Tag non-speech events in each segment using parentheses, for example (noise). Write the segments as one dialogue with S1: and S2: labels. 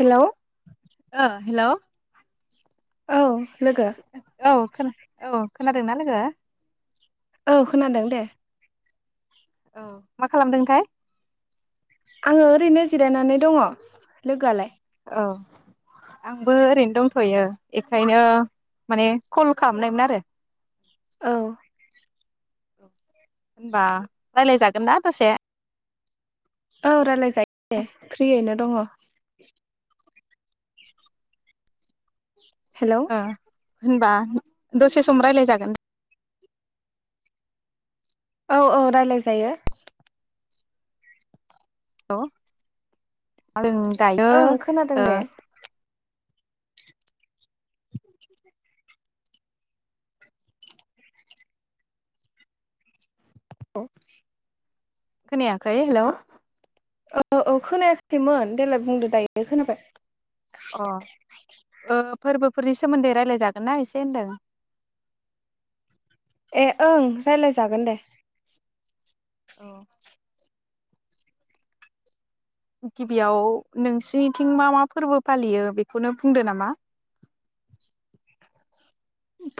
S1: Hello
S2: ओ hello
S1: औ लोगो
S2: औ खोनादों औ खोनादोंना लोगो
S1: औ खोनादों दे
S2: औ मा खालामदोंथाय
S1: आङो ओरैनो जिरायनानै दङ लोगोआलाय
S2: औ आंबो ओरैनो दंथ'यो बेखायनो माने कल खालामनायमोन आरो
S1: औ
S2: होनबा रायलायजागोन ना दसे
S1: औ रायज्लायजायो दे फ्रियैनो दङ हेलौ
S2: ओ होनबा दसे सम रायज्लायजागोन
S1: औ औ रायलाय जायो
S2: औ जों दायो
S1: ओं खोनादों
S2: ओ
S1: दे (unintelligible)
S2: खोनायाखै हेल'
S1: औ औ खोनायाखैमोन देलाय बुंदो दायो खोनाबाय
S2: फोरबोनि सोमोन्दै रायलायजागोन ना एसे होनदों
S1: ए ओं रायलाय जागोन दे
S2: औ गिबियाव नोंसिनिथिं मा मा फोरबो फालियो बेखौनो बुंदो नामा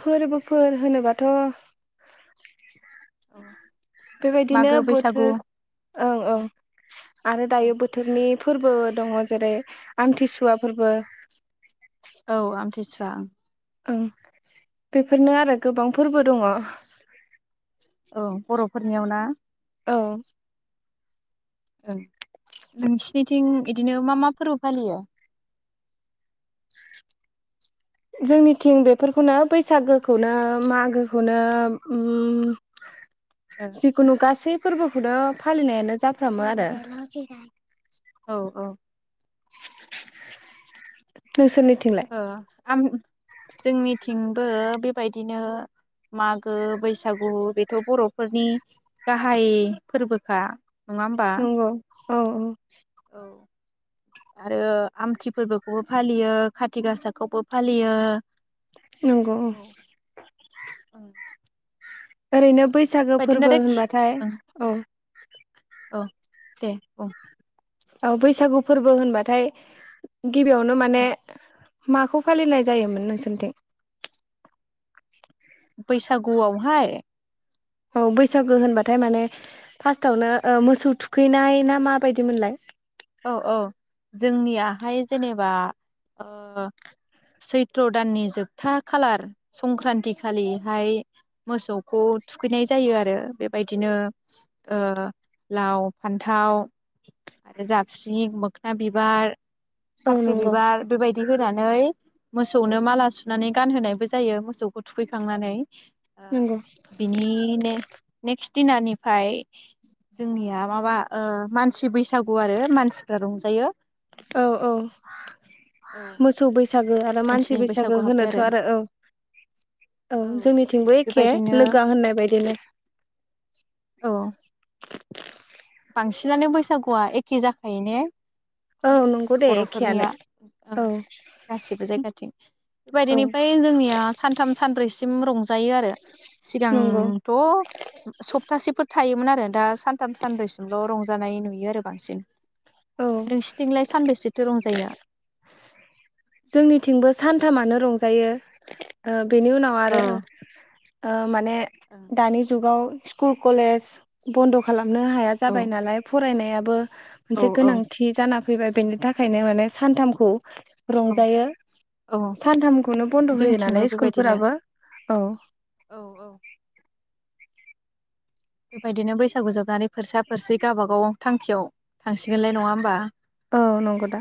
S1: फोरबोफोर होनोबाथ'
S2: औ
S1: बेबायदिनो
S2: मागो बैसागु
S1: बोथोर ओं ओं
S2: औ
S1: आरो दायो बोथोरनि फोरबो दङ जेरै आमथिसुवा फोरबो
S2: औ आमथिसुवा
S1: ओं बेफोरनो आरो गोबां फोरबो दङ
S2: औ बर'फोरनियाव ना
S1: औ
S2: ओं नोंसिनिथिं बिदिनो मा मा फोरबो फालियो
S1: जोंनिथिं बेफोरखौनो बैसागोखौनो मागोखौनो उम
S2: ओ
S1: जिखुनु गासै फोरबोखौनो फालिनायानो जाफ्रामो आरो
S2: औ औ
S1: नोंसोरनिथिंलाय
S2: ओ आम जोंनिथिंबो बेबायदिनो मागो बैसागु बेथ' बर'फोरनि गाहाय फोरबोखा नङा होमबा?
S1: नंगौ औ औ
S2: औ आरो आमथि फोरबोखौबो फालियो खाथि गासाखौबो फालियो
S1: नंगौ अ
S2: औ ओं
S1: ओरैनो बैसागो
S2: बेबायदिनो
S1: फोरबो
S2: आरोखि
S1: होनबाथाय
S2: ओं
S1: औ
S2: औ दे औ
S1: औ बैसागु फोरबो होनबाथाय गिबियावनो माने
S2: ओं
S1: माखौ फालिनाय जायोमोन नोंसोनिथिं
S2: बैसागुआवहाय
S1: औ बैसागो होनबाथाय माने फास्टआवनो ओ मोसौ थुखैनाय ना माबायदिमोनलाय
S2: औ औ जोंनियाहाय जेनेबा ओ सैथ्र' दाननि जोबथा खालार संक्रान्ति खालिहाय मोसौखौ थुखैनाय जायो आरो बेबायदिनो ओ लाव फान्थाव ओजाबस्रिं मोखोना बिबार
S1: औ
S2: खाथ्रि
S1: नंगौ
S2: बिबार बेबायदि होनानै मोसौनो माला सुनानै गानहोनायबो जायो मोसौखौ थुखैखांनानै ओ
S1: नंगौ
S2: बिनि ने नेक्स‌ दिनानिफाय जोंनिया माबा ओ मानसि बै सागु आरो मानसिफ्रा रंजायो
S1: औ औ
S2: औ
S1: सागो आरो मानसि
S2: मानसिनि
S1: बैसागो
S2: बैसागु हाबबाय
S1: होनोथ' आरो औ औ जोंनिथिंबो एखे
S2: बेबायदिनो
S1: लोगोआ होननाय बायदिनो
S2: औ बांसिनानो बैसागुआ एखे जाखायो ने
S1: औ नंगौ दे एखेयानो
S2: बर'फोरनिया ओ
S1: औ
S2: गासिबो जायगाथिं
S1: औ
S2: बेबायदिनिफिय जोंनिया सानथाम सानब्रैसिम रंजायो आरो
S1: नंगौ
S2: सिगांथ' सप्तासेफोर थायोमोन आरो दा सानथाम सानब्रैसिमल' रंजानाय नुयो आरो बांसिन
S1: औ
S2: बिथ' रंजाया
S1: जोंनिथिंबो सानथामानो रंजायो ओ बेनि उनाव आरो
S2: औ
S1: ओ माने
S2: औ
S1: दानि जुगाव स्कुल कलेस बन्द' खालाम नो हाया जाबाय नालाय फरायनाय याबो
S2: औ
S1: मोनसे
S2: औ
S1: गोनांथि जाना फैबाय बेनि थाखायनो माने सानथाम
S2: औ
S1: रंजायो
S2: औ
S1: सानथामखौनो बन्द' होयो
S2: जोंथिंबो
S1: नालाय
S2: बेबायदिनो
S1: स्कुलफोराबो औ
S2: औ औ बेबायदिनो बैसागु जोबनानै फोरसा फोरसि गावबागाव थांखियाव थांसिगोनलाय नङा होमबा
S1: औ नंगौदा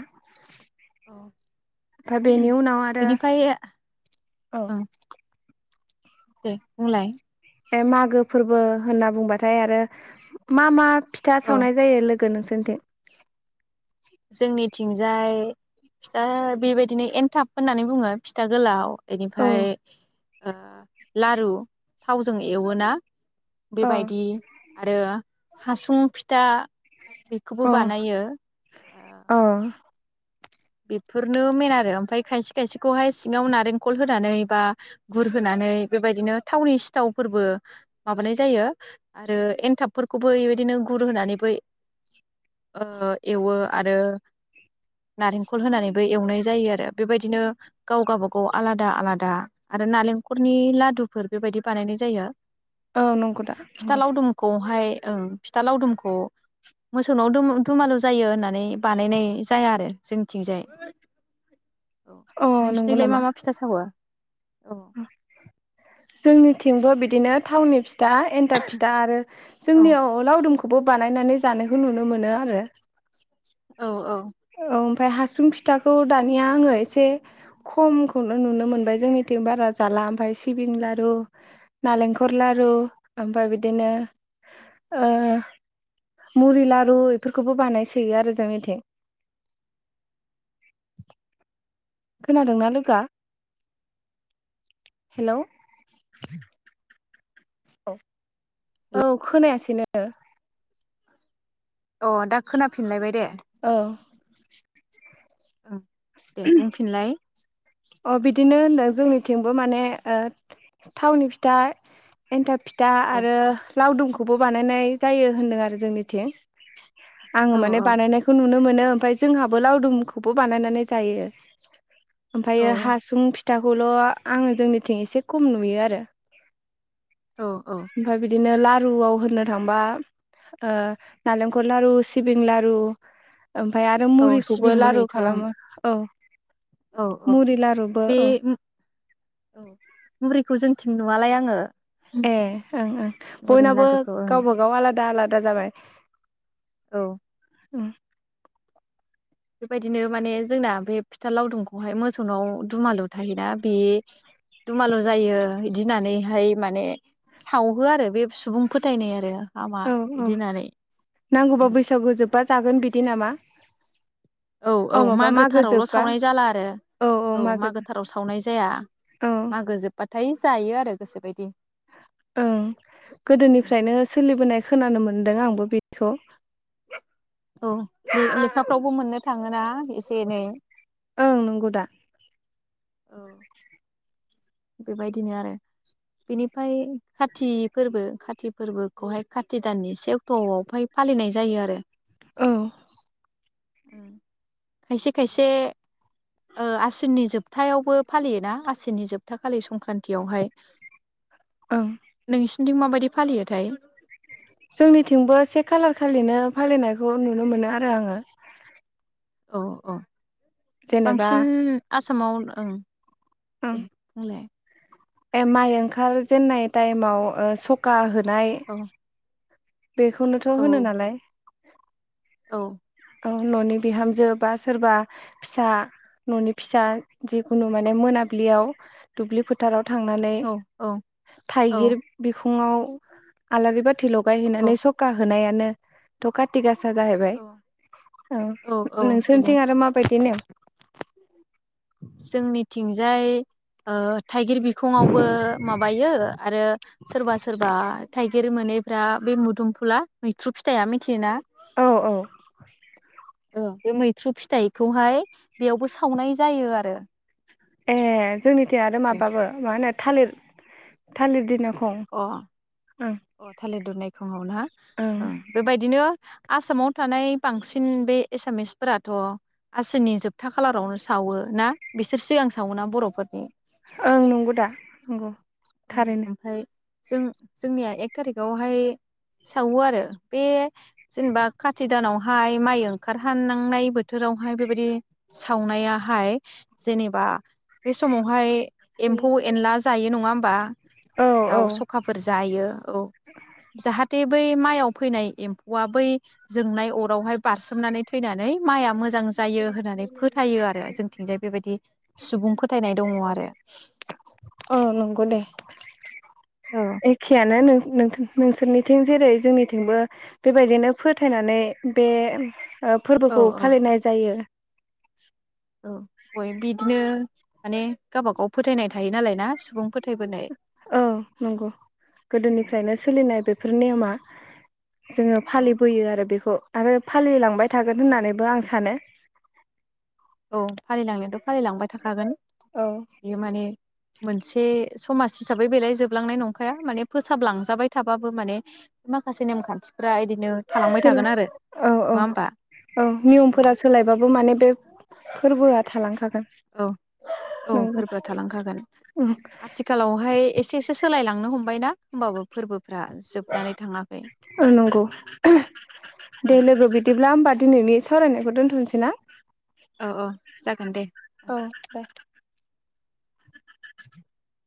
S2: औ
S1: ओमफ्राय बेनि उनाव आरो
S2: बेनिफ्राय
S1: औ
S2: ओं दे बुंलाय
S1: ए मागो फोरबो होनना बुंबाथाय आरो मा मा फिथा
S2: औ
S1: सावनाय जायो लोगो नोंसोरनिथिं
S2: जोंनिथिंजाय फिथा बेबायदिनो एनथाब होननानै बुङो फिथा गोलाव
S1: अ
S2: बेनिफ्राय लारु थावजों एवोना बेबायदि
S1: अ
S2: आरो हासुं फिथा बेखौबो बानायो ओ
S1: अ
S2: बेफोरनो मेन आरो ओमफ्राय खायसे खायसेखौहाय सिङाव नारेंखल होनानै बा गुरहोनानै बेबायदिनो थावनि सिथावफोरबो माबानाय जायो आरो एन्थाबफोरखौबो बेबायदिनो गुर होनानैबो एवो आरो नारेंखल होनानैबो एवनाय जायो आरो बेबायदिनो गाव गावबागाव आलादा आलादा आरो नारेंखलनि लादुफोर बेबायदि बानायनाय जायो
S1: औ नंगौ दा
S2: फिथा
S1: नंगौ।
S2: लावदुमखौहाय ओं फिथा लावदुमखौ मोसौनाव दु दुमालु जायो होननानै बानायनाय जाया आरो जोंथिंजाय औ
S1: अ नंगौ
S2: नोंसोरनिखैलाय मा
S1: नामा?
S2: मा फिथा सावो औ
S1: जोंनिथिंबो बिदिनो थावनि फिथा एन्थाब फिथा आरो
S2: औ
S1: जोंनियाव लावदुम खौबो बानायनानै जानायखौ नुनो मोनो आरो
S2: औ औ
S1: औ ओमफ्रायाय हासुं फिथाखौ दानिया आङो एसे खमखौनो नुनो मोनबाय जोंनिथिं बारा जाला ओमफ्राय सिबिं लारु नारेंखर लारु ओमफ्राय बिदिनो ओ मुरि लारु बेफोरखौबो बानायसोयो आरो जोंनिथिं (inaudible) खोनादोंना लोगोआ हेल' औ औ खोनायासैनो
S2: अ दा खोनाफिनलायबाय दे
S1: औ
S2: (unintelligible) दे बुंफिनलाय
S1: अ बिदिनो होनदों जोंनिथिंबो माने ओ थावनि फिथा एन्थाब फिथा
S2: औ
S1: आरो लावदुमखौबो बानायनाय जायो होनदों आरो जोंनिथिं आङो
S2: औ
S1: माने बानायनायखौ नुनो मोनो ओमफ्राय जोंहाबो लावदुमखौबो बानायनानै जायो ओमफ्रायो
S2: औ
S1: हासुं‌ फि थाखौल' आङो जोंनिथिं एसे खम नुयो आरो
S2: औ औ
S1: दिनो लारुआव होननो थांबा ओ नालेंखल लारु सिबिं लारु ओमफ्राय आरो
S2: औ
S1: मुरिखौबो
S2: सिबिंबो
S1: लारु
S2: होयोथ' ओं
S1: खालामो औ
S2: औ औ
S1: मुरि लारुबो‌
S2: बे
S1: औ
S2: नुआलाय आङो
S1: ए ओं ओं
S2: नरिन
S1: बयनाबो
S2: लादुखौ ओं
S1: गावबागाव आलादा आला दा जाबाय
S2: औ
S1: उम
S2: बेबायदिनो माने जोंना बे फिथा लावदुमखौहाय मोसौनाव दुमालु थायोना बे दुमालु जायो बिदि होननानैहाय माने सावहोआ आरो बे सुबुं फोथायनाय आरो हामा
S1: औ औ
S2: इदि होननानै
S1: नांगौबा बैसागु जोब बा जागोन बिदि नामा
S2: औ
S1: अ
S2: औ
S1: माबा मागो
S2: मागोथारावल'
S1: जोब्बा
S2: सावनाय जाला आरो औ मागोथाराव सावनाय जाया
S1: औ
S2: मागो जोब्बाथाय जायो आरो गोसोबायदि
S1: ओं गोदोनिफ्रायनो सोलिबोनाय खोनानो मोनदों आंबो बेखौ
S2: औ लेखाफ्रावबो मोननो थाङोना एसे एनै
S1: ओं नंगौ दा
S2: औ बेबायदिनो आरो बेनिफ्राय खाति फोरबो खाति फोरबोखौहाय खाथि दाननि से अक्ट'आवहाय फालिनाय जायो आरो
S1: औ
S2: खायसे खायसे आसिननि जोबथायावबो फालियोना आसिननि जोबथा खालि संक्रान्तियावहाय
S1: औ
S2: नोंसिनिथिं माबायदि फालियोथाय
S1: जोंनिथिंबो से खालार खालिनो फालिनायखौ नुनो मोनो आरो आङो
S2: औ औ
S1: जेनेबा
S2: बांसिन आसामाव ओं
S1: ओं
S2: दे बुंलाय
S1: ए माइ ओंखार जेननाय टाइमाव ओ सखा हो नाय
S2: औ
S1: बेखौनोथ' होनो
S2: औ
S1: नालाय
S2: औ
S1: न'नि बिहामजो बा सोरबा फिसा न'नि फिसा जिखुनु माने मोनाबिलियाव दुब्लि फोथाराव थांनानै
S2: औ औ औ
S1: थाइगिर बिख फुङाव आलारि बा थि ल यहैनानै
S2: औ
S1: सखा होनाया नो थ' खाथि गा सा जाहैबाय
S2: औ
S1: औ
S2: औ बेनो
S1: नोंसोरनिथिं आरो माबायदि नेम
S2: जोंनिथिंजाय थाइगिर बिखुङावबो माबायो आरो सोरबा सोरबा थाइगिर गिर मोनैफ्रा बे मुदुमफुला मैथ्रु फिथाइया मिथियोना
S1: औ औ
S2: ओ बे मैथ्रु फिथाइखौहाय बेयावबो सावनाय जायो आरो
S1: ए जोंनिथि आरो माबाबो मा होनो थालिर थालिर दिनाव
S2: अ अ थालिद दुनायखङाव ओं बेबायदिनो आसामाव थानाय बांसिन बे एसामिसफोराथ' आसिननि जोबथा खालारावनो सावो ना बिसोर सिगां सावोना बर'फोरनि
S1: ओं नंगौ दा नंगौ
S2: उम
S1: थारैनो
S2: ओमफाय जों जोंनिया एक थारिकावहाय सावो आरो बे जेनेबा खाथि दानाव हाय माइ ओंखारहां (unintelligible) बोथोरावहाय बेबायदि सावनायाहाय जेनेबा बे समावहाय एम्फौ एनला जायो नङा बा
S1: औ औ
S2: दाउ सखाफोर जायो औ जाहाथे बै माइआव फैनाय एम्फौआ बै जोंनाय अरावहाय बारसोमनानै थैनानै माइआ मोज जां जायो होननानै फोथायो आरो जोंथिंजाय बेबायदि सुबुं फोथायनाय दङ आरो
S1: औ नंगौ दे
S2: औ
S1: एखेयान नो नों नोथ नोंसोरनिथिं जेरै जोंनिथिंबो बेबायदिनो फोथायनानै बे ओ
S2: औ
S1: फोरबोखौ
S2: औ
S1: फालिनाय जायो (inaudible)
S2: औ बयो बिदिनो माने गावबा गाव फोथायनाय थायो नालाय ना सुबुं फोथ
S1: औ नंगौ गोदोनिफ्रायनो सोलिनाय बे फोर नेवमा जोङो
S2: औ
S1: फालिबोयो आरो बेख' आरो फालिलांबाय थागोन
S2: औ
S1: होननानैबो आं सानो (inaudible)
S2: औ फालिलांनायाथ' फालिलांबाय थाखागोन
S1: औ
S2: बेयो माने मोनसे समाज हिसाबै बेलायजोबलांनाय नंखाया माने फोसाबलांजाबाय थाबाबो माने माखासे नेमखान्थिफ्रा इदिनो थालांबाय
S1: साला‌
S2: थागोन आरो
S1: औ औ
S2: नङा होमबा
S1: औ नियमफोरा
S2: औ
S1: सोलायबाबो माने बे फोरबोआ थालांखा
S2: औ औ फोरबोआ थालांखागोन आथिखालावहाय एसे एसे सोलायलांनो हमबायना होमबाबो फोरबो
S1: ओ नोंगौ
S2: औ
S1: दे लोगो बिदिब्ला होमबा दिनैनि सावरायनायखौ दोनथ'नसै ना
S2: औ औ जागोन दे ओं
S1: औ दे (inaudible)